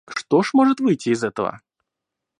Что ж может выйти из этого?